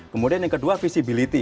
kemudian yang kedua visibility